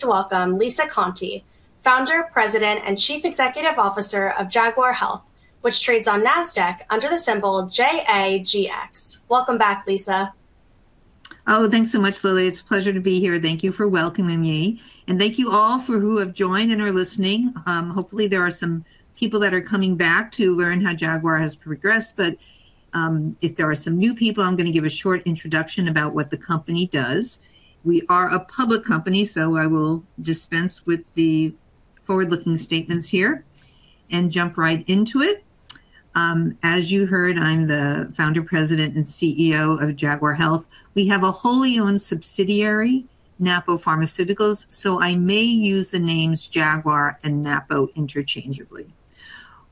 To welcome Lisa Conte, Founder, President, and Chief Executive Officer of Jaguar Health, which trades on Nasdaq under the symbol JAGX. Welcome back, Lisa. Thanks so much, Lily. It's a pleasure to be here. Thank you for welcoming me, and thank you all who have joined and are listening. Hopefully, there are some people that are coming back to learn how Jaguar has progressed. If there are some new people, I'm going to give a short introduction about what the company does. We are a public company, I will dispense with the forward-looking statements here and jump right into it. As you heard, I'm the Founder, President, and CEO of Jaguar Health. We have a wholly owned subsidiary, Napo Pharmaceuticals, I may use the names Jaguar and Napo interchangeably.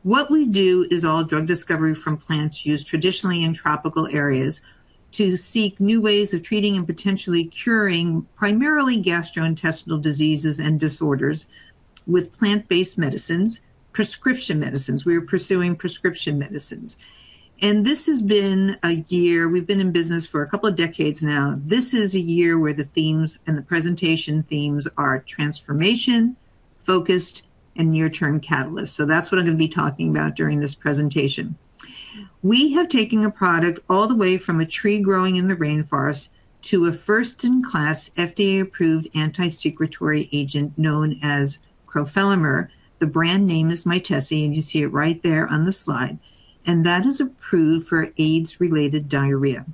What we do is all drug discovery from plants used traditionally in tropical areas to seek new ways of treating and potentially curing primarily gastrointestinal diseases and disorders with plant-based medicines, prescription medicines. We are pursuing prescription medicines. This has been a year-- We've been in business for couple of decades now. This is a year where the themes and the presentation themes are transformation, focused, and near-term catalyst. That's what I'm going to be talking about during this presentation. We have taken a product all the way from a tree growing in the rainforest to a first-in-class, FDA-approved anti-secretory agent known as crofelemer. The brand name is Mytesi, and you see it right there on the slide, and that is approved for AIDS-related diarrhea.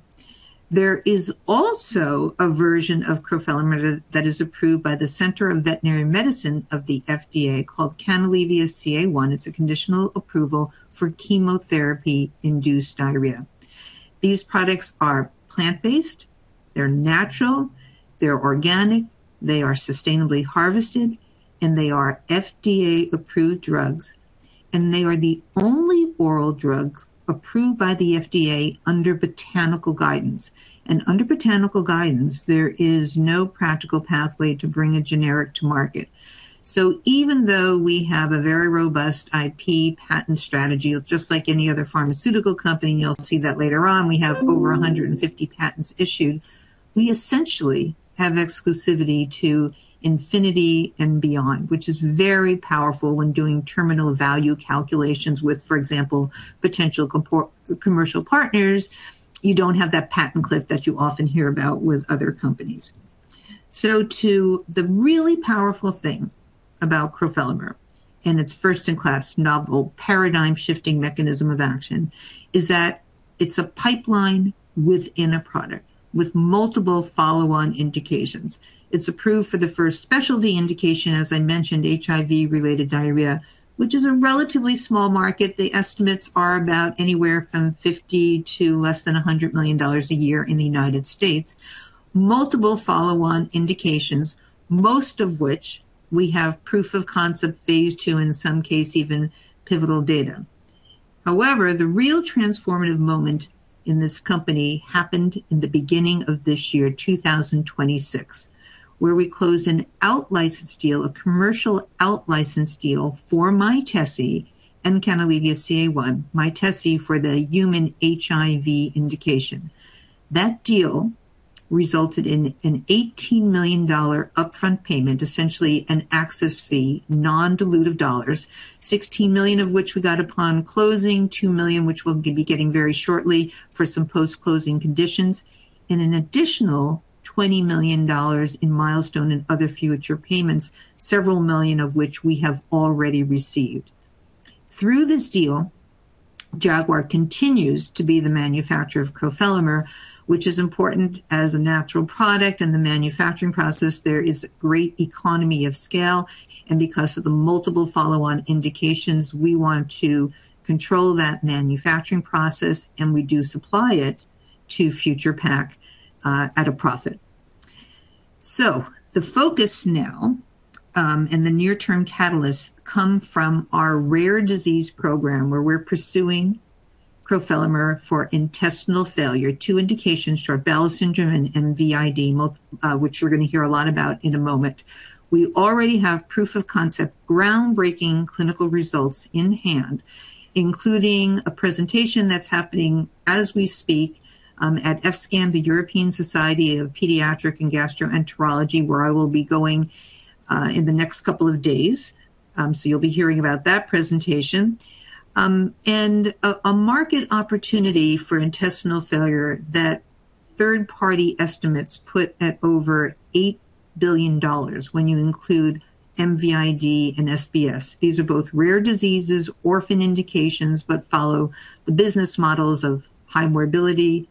There is also a version of crofelemer that is approved by the Center for Veterinary Medicine of the FDA called Canalevia-CA1. It's a conditional approval for chemotherapy-induced diarrhea. These products are plant-based, they're natural, they're organic, they are sustainably harvested, and they are FDA-approved drugs, and they are the only oral drugs approved by the FDA under botanical guidance. Under botanical guidance, there is no practical pathway to bring a generic to market. Even though we have a very robust IP patent strategy, just like any other pharmaceutical company, and you'll see that later on, we have over 150 patents issued. We essentially have exclusivity to infinity and beyond, which is very powerful when doing terminal value calculations with, for example, potential commercial partners. You don't have that patent cliff that you often hear about with other companies. The really powerful thing about crofelemer and its first-in-class, novel, paradigm-shifting mechanism of action is that it's a pipeline within a product with multiple follow-on indications. It's approved for the first specialty indication, as I mentioned, HIV-related diarrhea, which is a relatively small market. The estimates are about anywhere from $50 million to less than $100 million a year in the United States. Multiple follow-on indications, most of which we have proof of concept, phase II, in some case, even pivotal data. The real transformative moment in this company happened in the beginning of this year, 2026, where we closed an out-license deal, a commercial out-license deal for Mytesi and Canalevia-CA1, Mytesi for the human HIV indication. That deal resulted in an $18 million upfront payment, essentially an access fee, non-dilutive dollars, $16 million of which we got upon closing, $2 million which we'll be getting very shortly for some post-closing conditions, and an additional $20 million in milestone and other future payments, several million of which we have already received. Through this deal, Jaguar continues to be the manufacturer of crofelemer, which is important as a natural product and the manufacturing process, there is great economy of scale, and because of the multiple follow-on indications, we want to control that manufacturing process, and we do supply it to Future Pak at a profit. The focus now, and the near-term catalysts come from our rare disease program, where we're pursuing crofelemer for intestinal failure. Two indications, Sjögren-Larsson syndrome and MVID, which we're going to hear a lot about in a moment. We already have proof of concept, groundbreaking clinical results in hand, including a presentation that's happening as we speak, at ESPGHAN, the European Society of Paediatric and Gastroenterology, where I will be going in the next couple of days. You'll be hearing about that presentation. A market opportunity for intestinal failure that third-party estimates put at over $8 billion when you include MVID and SBS. These are both rare diseases, orphan indications, but follow the business models of high morbidity,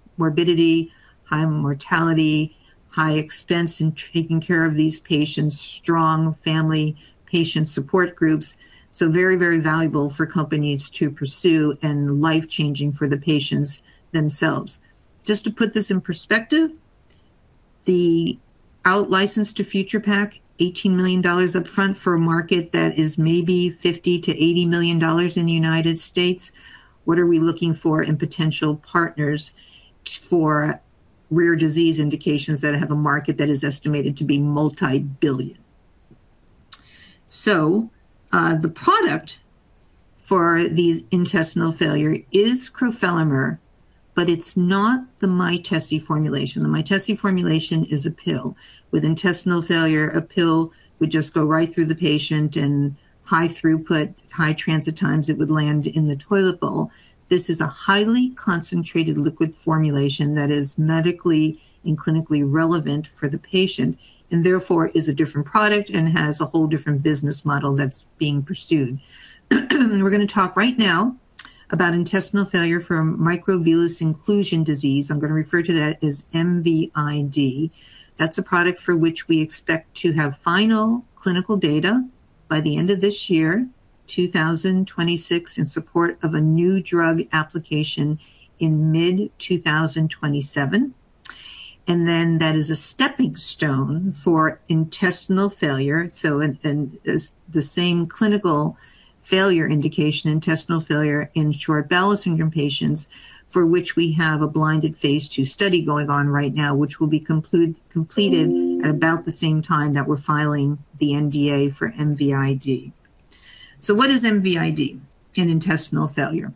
high mortality, high expense in taking care of these patients, strong family patient support groups. Very, very valuable for companies to pursue and life changing for the patients themselves. Just to put this in perspective, the out-license to Future Pak, $18 million up front for a market that is maybe $50 million-$80 million in the United States. What are we looking for in potential partners for rare disease indications that have a market that is estimated to be multi-billion? The product for these intestinal failure is crofelemer, but it's not the Mytesi formulation. The Mytesi formulation is a pill. With intestinal failure, a pill would just go right through the patient in high throughput, high transit times, it would land in the toilet bowl. This is a highly concentrated liquid formulation that is medically and clinically relevant for the patient, and therefore is a different product and has a whole different business model that's being pursued. We're going to talk right now about intestinal failure from microvillus inclusion disease. I'm going to refer to that as MVID. That's a product for which we expect to have final clinical data by the end of this year, 2026, in support of a new drug application in mid-2027. Then that is a stepping stone for intestinal failure. The same clinical failure indication, intestinal failure in short bowel syndrome patients, for which we have a blinded phase II study going on right now, which will be completed at about the same time that we're filing the NDA for MVID. What is MVID in intestinal failure?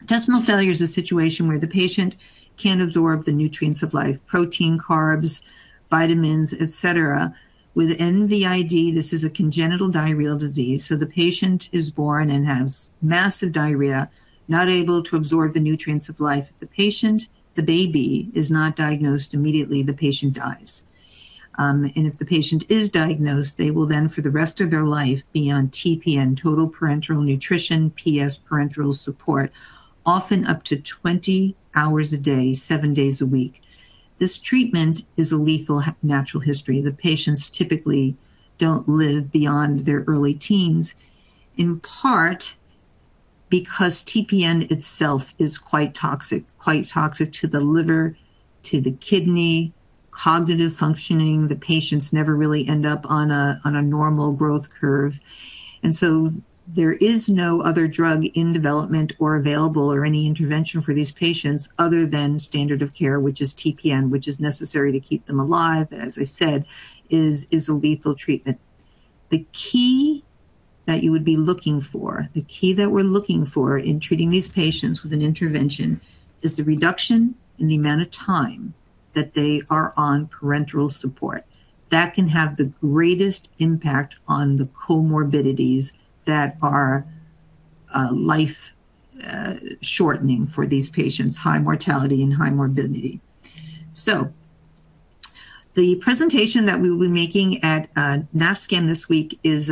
Intestinal failure is a situation where the patient can't absorb the nutrients of life, protein, carbs, vitamins, et cetera. With MVID, this is a congenital diarrheal disease, so the patient is born and has massive diarrhea, not able to absorb the nutrients of life. If the patient, the baby, is not diagnosed immediately, the patient dies. If the patient is diagnosed, they will then, for the rest of their life, be on TPN, total parenteral nutrition, PS, parenteral support, often up to 20 hours a day, seven days a week. This treatment is a lethal natural history. The patients typically don't live beyond their early teens, in part because TPN itself is quite toxic. Quite toxic to the liver, to the kidney, cognitive functioning. The patients never really end up on a normal growth curve. There is no other drug in development or available, or any intervention for these patients other than standard of care, which is TPN, which is necessary to keep them alive, but as I said, is a lethal treatment. The key that you would be looking for, the key that we're looking for in treating these patients with an intervention, is the reduction in the amount of time that they are on parenteral support. That can have the greatest impact on the comorbidities that are life-shortening for these patients, high mortality and high morbidity. The presentation that we'll be making at ESPGHAN this week is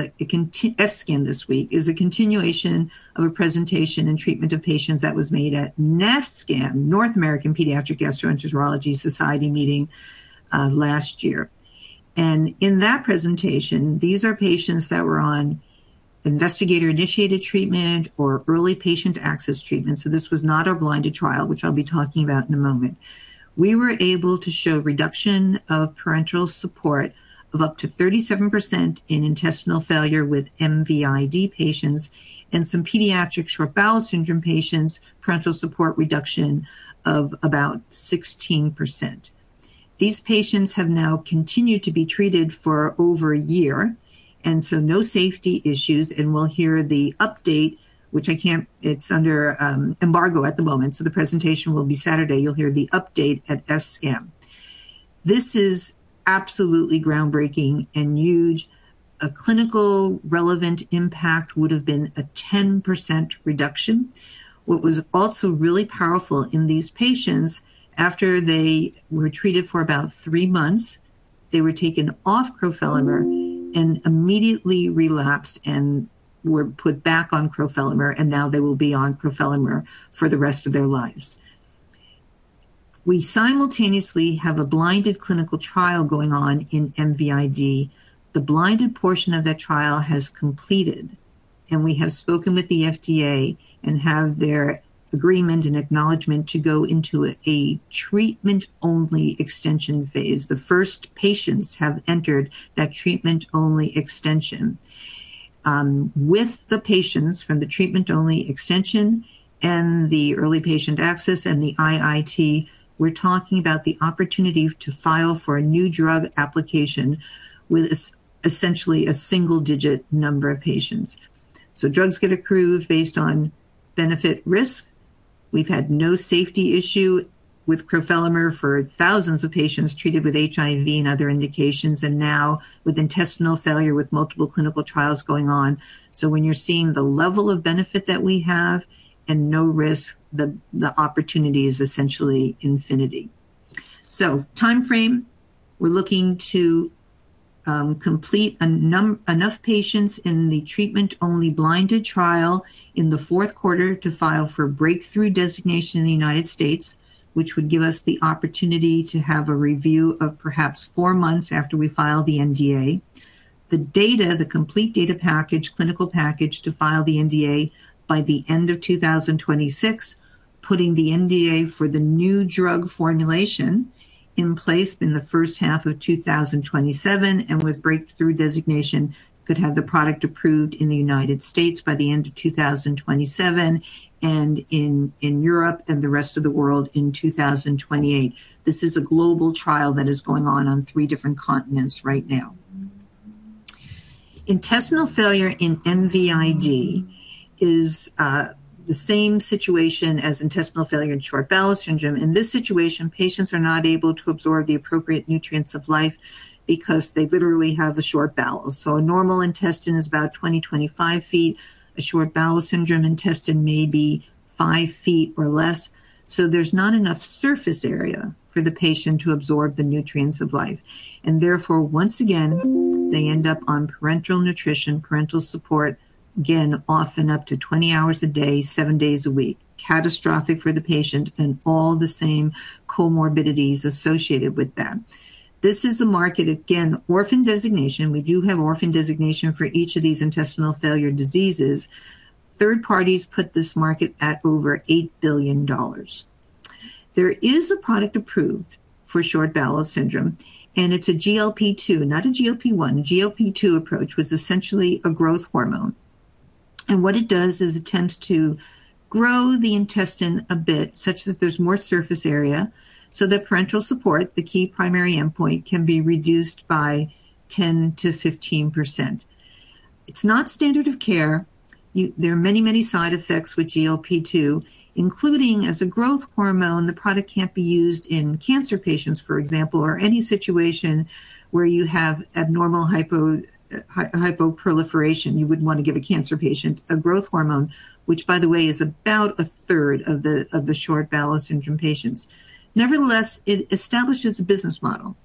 a continuation of a presentation and treatment of patients that was made at NASPGHAN, North American Pediatric Gastroenterology Society meeting last year. In that presentation, these are patients that were on investigator-initiated treatment or early patient access treatment. This was not a blinded trial, which I'll be talking about in a moment. We were able to show reduction of parenteral support of up to 37% in intestinal failure with MVID patients, and some pediatric short bowel syndrome patients, parenteral support reduction of about 16%. These patients have now continued to be treated for over a year, no safety issues, and we'll hear the update, which it's under embargo at the moment, the presentation will be Saturday. You'll hear the update at ESPGHAN. This is absolutely groundbreaking and huge. A clinical relevant impact would've been a 10% reduction. What was also really powerful in these patients, after they were treated for about three months, they were taken off crofelemer and immediately relapsed and were put back on crofelemer, and now they will be on crofelemer for the rest of their lives. We simultaneously have a blinded clinical trial going on in MVID. The blinded portion of that trial has completed, and we have spoken with the FDA and have their agreement and acknowledgement to go into a treatment-only extension phase. The first patients have entered that treatment-only extension. With the patients from the treatment-only extension and the early patient access and the IIT, we're talking about the opportunity to file for a new drug application with essentially a single-digit number of patients. Drugs get approved based on benefit risk. We've had no safety issue with crofelemer for thousands of patients treated with HIV and other indications, and now with intestinal failure, with multiple clinical trials going on. When you're seeing the level of benefit that we have and no risk, the opportunity is essentially infinity. Timeframe. We're looking to complete enough patients in the treatment-only blinded trial in the fourth quarter to file for breakthrough designation in the United States, which would give us the opportunity to have a review of perhaps four months after we file the NDA. The data, the complete data package, clinical package to file the NDA by the end of 2026, putting the NDA for the new drug formulation in place in the first half of 2027, and with breakthrough designation, could have the product approved in the United States by the end of 2027, and in Europe and the rest of the world in 2028. This is a global trial that is going on on three different continents right now. Intestinal failure in MVID is the same situation as intestinal failure in short bowel syndrome. In this situation, patients are not able to absorb the appropriate nutrients of life because they literally have a short bowel. A normal intestine is about 20 ft-25 ft. A short bowel syndrome intestine may be 5 ft or less. There's not enough surface area for the patient to absorb the nutrients of life. Therefore, once again, they end up on parenteral nutrition, parenteral support, again, often up to 20 hours a day, seven days a week. Catastrophic for the patient, and all the same comorbidities associated with that. This is the market. Again, orphan designation. We do have orphan designation for each of these intestinal failure diseases. Third parties put this market at over $8 billion. There is a product approved for short bowel syndrome, and it's a GLP-2, not a GLP-1. GLP-2 approach was essentially a growth hormone. What it does is it tends to grow the intestine a bit, such that there's more surface area, so that parenteral support, the key primary endpoint, can be reduced by 10%-15%. It's not standard of care. There are many, many side effects with GLP-2, including as a growth hormone, the product can't be used in cancer patients, for example, or any situation where you have abnormal hyperproliferation. You wouldn't want to give a cancer patient a growth hormone, which, by the way, is about a third of the short bowel syndrome patients. Nevertheless, it establishes a business model.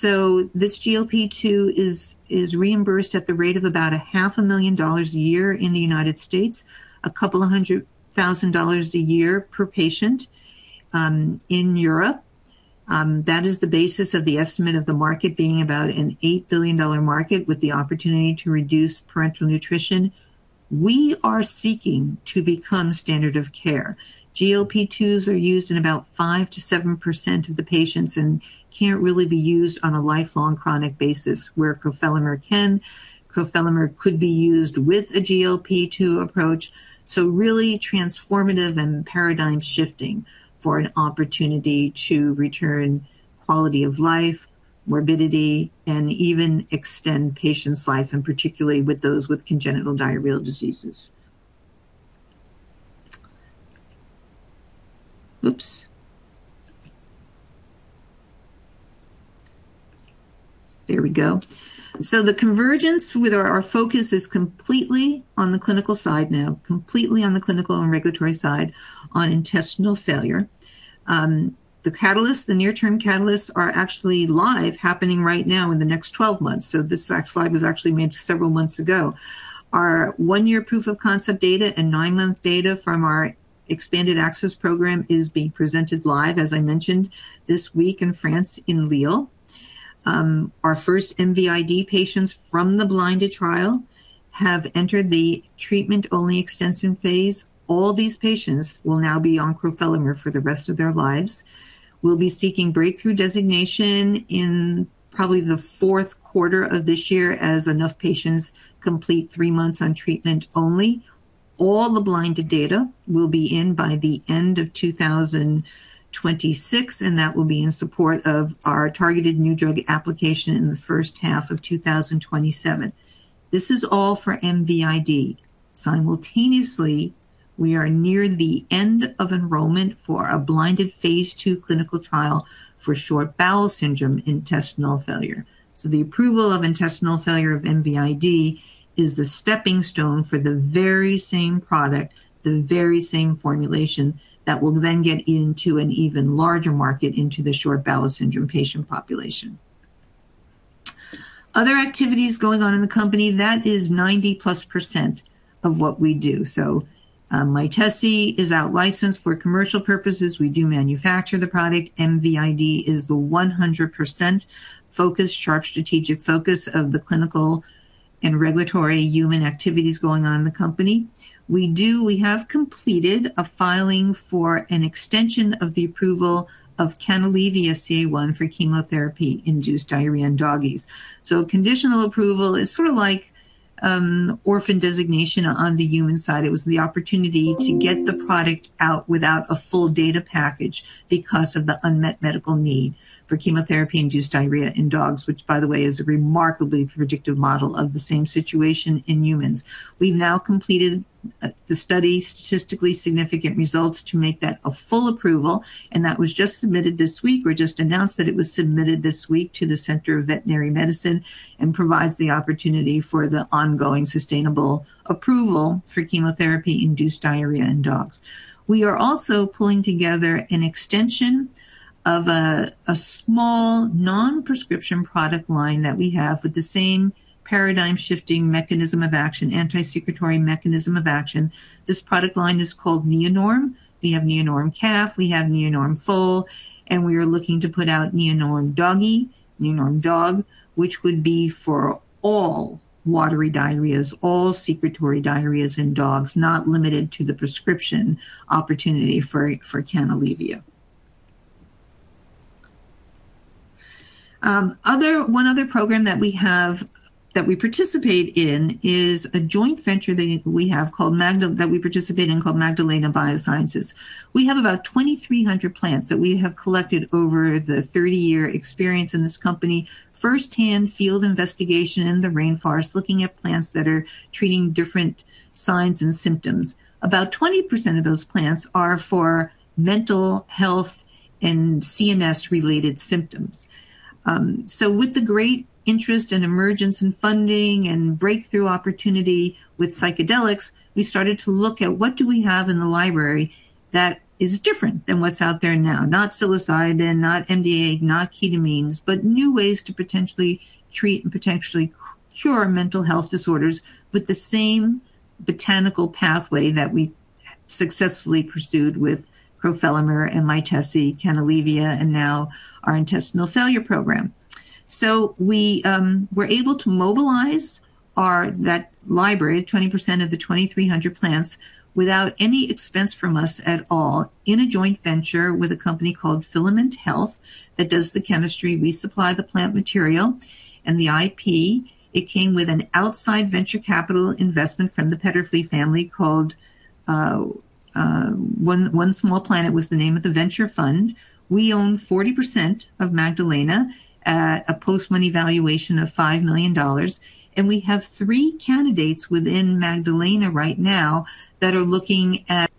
This GLP-2 is reimbursed at the rate of about a $0.5 million a year in the United States, a couple of hundred thousand dollars a year per patient in Europe. That is the basis of the estimate of the market being about an $8 billion market with the opportunity to reduce parenteral nutrition. We are seeking to become standard of care. GLP-2s are used in about 5%-7% of the patients and can't really be used on a lifelong chronic basis, where crofelemer can. crofelemer could be used with a GLP-2 approach. Really transformative and paradigm-shifting for an opportunity to return quality of life, morbidity, and even extend patients' life, and particularly with those with congenital diarrheal diseases. Oops. There we go. The convergence with our focus is completely on the clinical side now, completely on the clinical and regulatory side on intestinal failure. The near-term catalysts are actually live, happening right now in the next 12 months. This slide was actually made several months ago. Our one-year proof of concept data and nine-month data from our expanded access program is being presented live, as I mentioned, this week in France in Lille. Our first MVID patients from the blinded trial have entered the treatment-only extension phase. All these patients will now be on crofelemer for the rest of their lives. We'll be seeking breakthrough designation in probably the fourth quarter of this year as enough patients complete three months on treatment only. All the blinded data will be in by the end of 2026, and that will be in support of our targeted new drug application in the first half of 2027. This is all for MVID. Simultaneously, we are near the end of enrollment for a blinded phase II clinical trial for short bowel syndrome intestinal failure. The approval of intestinal failure of MVID is the stepping stone for the very same product, the very same formulation that will then get into an even larger market into the short bowel syndrome patient population. Other activities going on in the company. That is +90% of what we do. Mytesi is out licensed for commercial purposes. We do manufacture the product. MVID is the 100% focused, sharp strategic focus of the clinical and regulatory human activities going on in the company. We have completed a filing for an extension of the approval of Canalevia-CA1 for chemotherapy-induced diarrhea in doggies. Conditional approval is sort of like orphan designation on the human side. It was the opportunity to get the product out without a full data package because of the unmet medical need for chemotherapy-induced diarrhea in dogs, which, by the way, is a remarkably predictive model of the same situation in humans. We've now completed the study, statistically significant results to make that a full approval, and that was just submitted this week. We just announced that it was submitted this week to the Center for Veterinary Medicine and provides the opportunity for the ongoing sustainable approval for chemotherapy-induced diarrhea in dogs. We are also pulling together an extension of a small non-prescription product line that we have with the same paradigm-shifting mechanism of action, anti-secretory mechanism of action. This product line is called Neonorm. We have Neonorm Calf, we have Neonorm Foal, and we are looking to put out Neonorm Dog, which would be for all watery diarrheas, all secretory diarrheas in dogs, not limited to the prescription opportunity for Canalevia. One other program that we participate in is a joint venture that we participate in called Magdalena Biosciences. We have about 2,300 plants that we have collected over the 30-year experience in this company, firsthand field investigation in the rainforest, looking at plants that are treating different signs and symptoms. About 20% of those plants are for mental health and CNS-related symptoms. With the great interest and emergence in funding and breakthrough opportunity with psychedelics, we started to look at what do we have in the library that is different than what's out there now, not psilocybin, not MDMA, not ketamines, but new ways to potentially treat and potentially cure mental health disorders with the same botanical pathway that we successfully pursued with crofelemer, Mytesi, Canalevia, and now our intestinal failure program. We were able to mobilize that library, 20% of the 2,300 plants, without any expense from us at all, in a joint venture with a company called Filament Health that does the chemistry. We supply the plant material and the IP. It came with an outside venture capital investment from the Peterffy family called One Small Planet, was the name of the venture fund. We own 40% of Magdalena at a post-money valuation of $5 million. We have three candidates within Magdalena right now that are looking at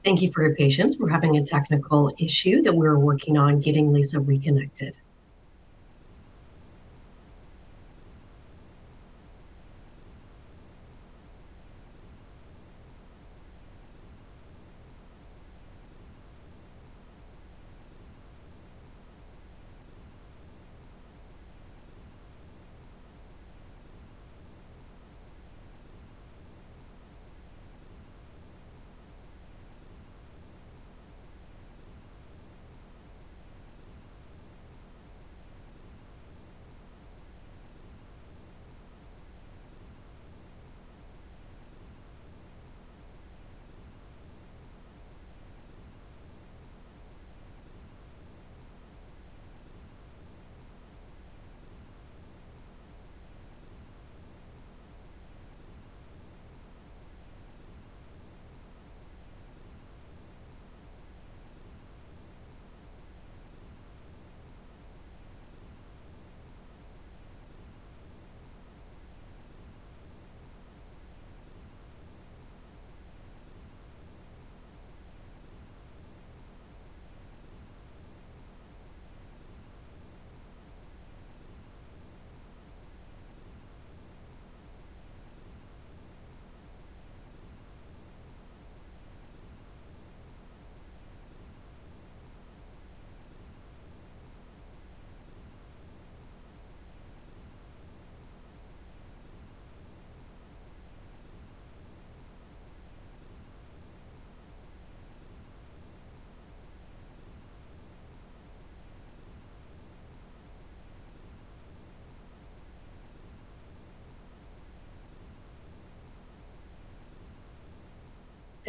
Thank you for your patience. We're having a technical issue that we're working on getting Lisa reconnected.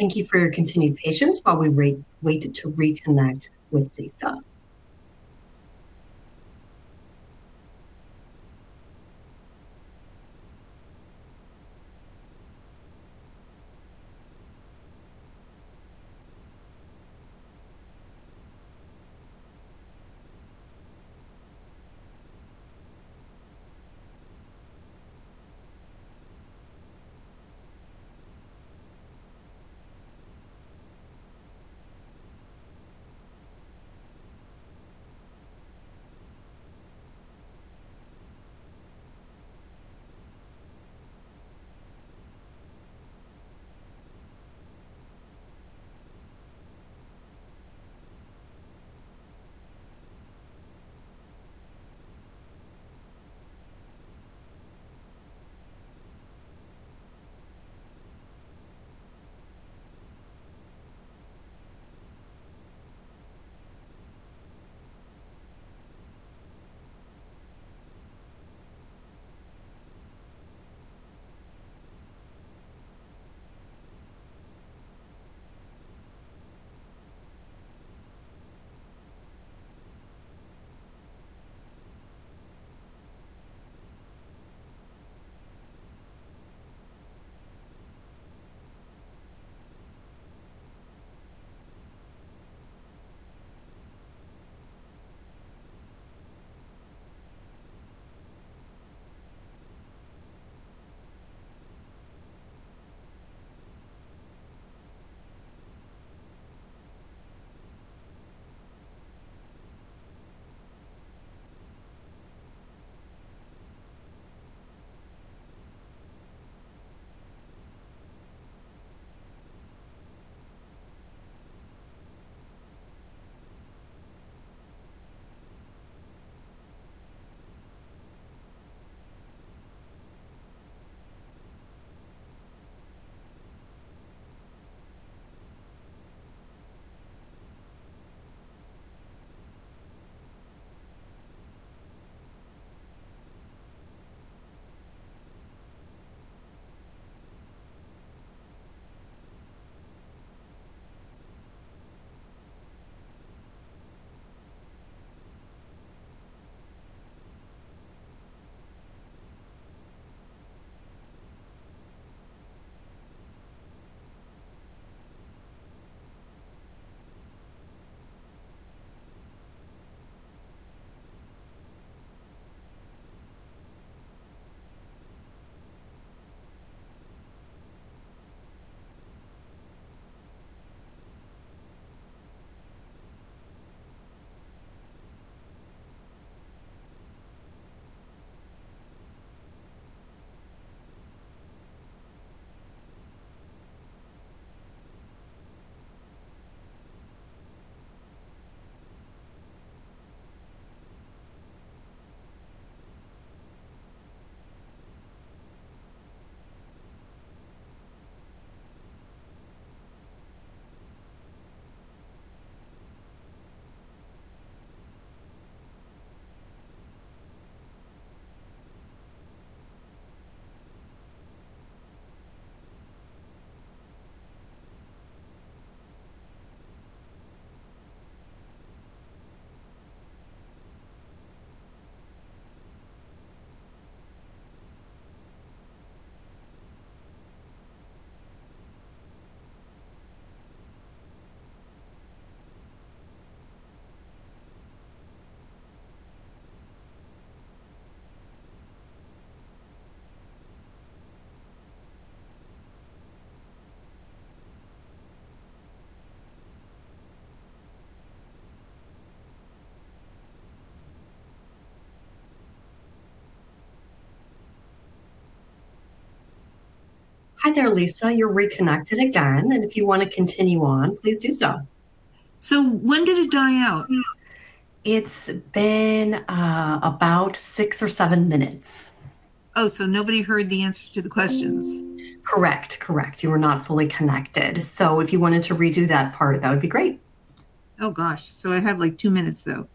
Thank you for your continued patience while we waited to reconnect with Lisa. Hi there, Lisa. You're reconnected again. If you want to continue on, please do so. When did it die out? It's been about six or seven minutes. Nobody heard the answers to the questions? Correct. You were not fully connected. If you wanted to redo that part, that would be great. Oh, gosh. I have two minutes though,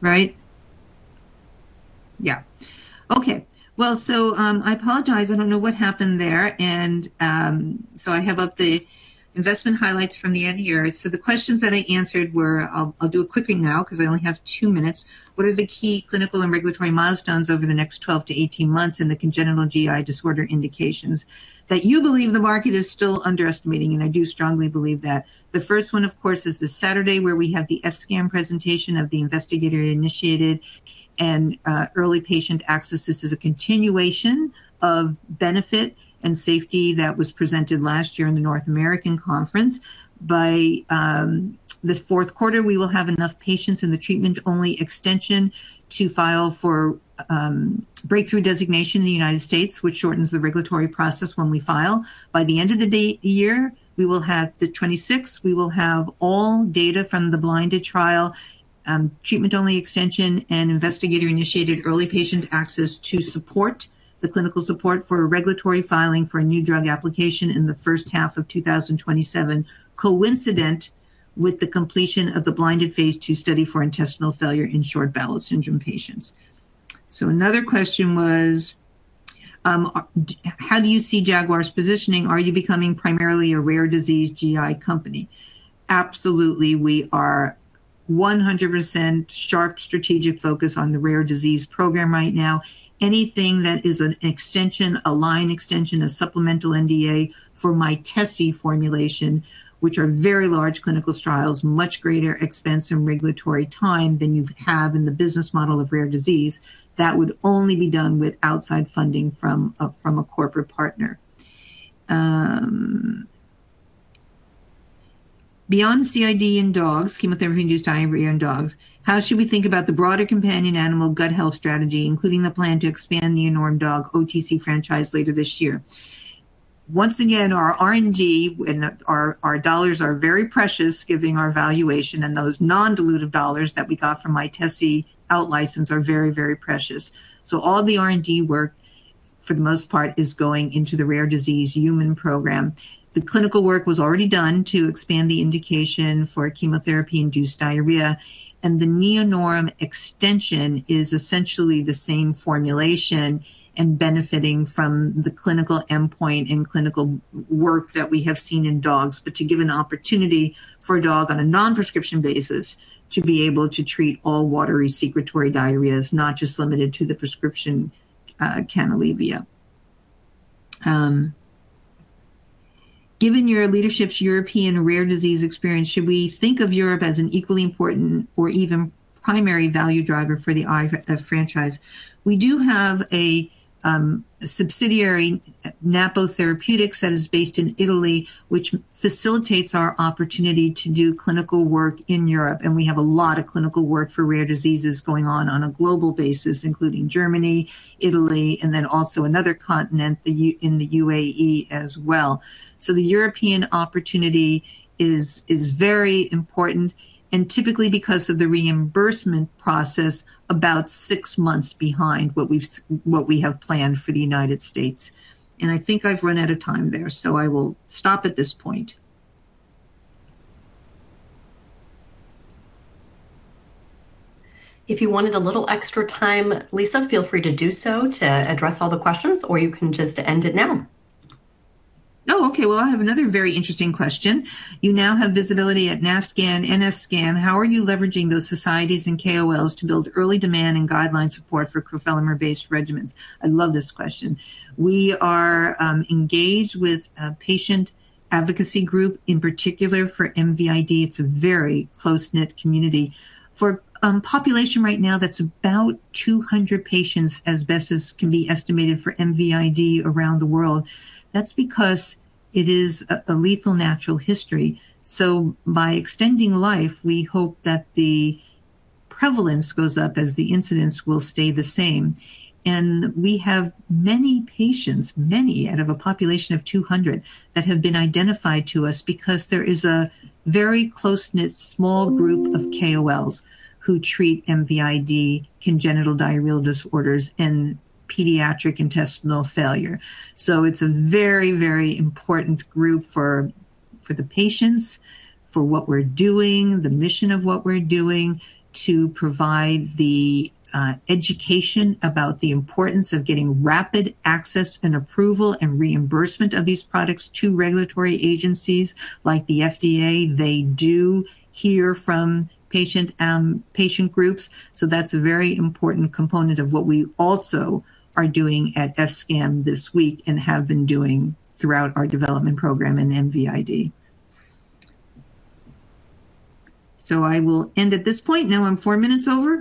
right? Yeah. Okay. Well, I apologize. I don't know what happened there. I have up the investment highlights from the end of the year. The questions that I answered were, I'll do it quickly now because I only have two minutes. What are the key clinical and regulatory milestones over the next 12-18 months in the congenital GI disorder indications that you believe the market is still underestimating? I do strongly believe that. The first one, of course, is this Saturday, where we have the ESPGHAN presentation of the investigator-initiated and early patient access. This is a continuation of benefit and safety that was presented last year in the North American Conference. By the fourth quarter, we will have enough patients in the treatment-only extension to file for breakthrough designation in the United States, which shortens the regulatory process when we file. By the end of the year, the 2026, we will have all data from the blinded trial, treatment-only extension, and investigator-initiated early patient access to support the clinical support for a regulatory filing for a new drug application in the first half of 2027, coincident with the completion of the blinded phase II study for intestinal failure in short bowel syndrome patients. Another question was, how do you see Jaguar's positioning? Are you becoming primarily a rare disease GI company? Absolutely. We are 100% sharp strategic focus on the rare disease program right now. Anything that is an extension, a line extension, a supplemental NDA for Mytesi formulation, which are very large clinical trials, much greater expense and regulatory time than you have in the business model of rare disease, that would only be done with outside funding from a corporate partner. Beyond CID in dogs, chemotherapy-induced diarrhea in dogs, how should we think about the broader companion animal gut health strategy, including the plan to expand the Neonorm Dog OTC franchise later this year? Once again, our R&D and our dollars are very precious giving our valuation and those non-dilutive dollars that we got from Mytesi out-license are very, very precious. All the R&D work For the most part, is going into the rare disease human program. The clinical work was already done to expand the indication for chemotherapy-induced diarrhea, and the Neonorm extension is essentially the same formulation and benefiting from the clinical endpoint and clinical work that we have seen in dogs. To give an opportunity for a dog on a non-prescription basis to be able to treat all watery secretory diarrheas, not just limited to the prescription Canalevia. Given your leadership's European rare disease experience, should we think of Europe as an equally important or even primary value driver for the IF franchise? We do have a subsidiary, Napo Therapeutics, that is based in Italy, which facilitates our opportunity to do clinical work in Europe, and we have a lot of clinical work for rare diseases going on on a global basis, including Germany, Italy, and then also another continent, in the UAE as well. The European opportunity is very important, and typically, because of the reimbursement process, about six months behind what we have planned for the United States. I think I've run out of time there, I will stop at this point. If you wanted a little extra time, Lisa, feel free to do so to address all the questions, or you can just end it now. Okay. Well, I have another very interesting question. "You now have visibility at NASPGHAN. How are you leveraging those societies and KOLs to build early demand and guideline support for crofelemer-based regimens?" I love this question. We are engaged with a patient advocacy group in particular for MVID. It's a very close-knit community. For population right now, that's about 200 patients, as best as can be estimated for MVID around the world. That's because it is a lethal natural history. By extending life, we hope that the prevalence goes up as the incidence will stay the same. We have many patients, many out of a population of 200, that have been identified to us because there is a very close-knit, small group of KOLs who treat MVID, congenital diarrheal disorders, and pediatric intestinal failure. It's a very important group for the patients, for what we're doing, the mission of what we're doing to provide the education about the importance of getting rapid access and approval and reimbursement of these products to regulatory agencies like the FDA. They do hear from patient groups, that's a very important component of what we also are doing at ESPGHAN this week and have been doing throughout our development program in MVID. I will end at this point. Now I'm four minutes over.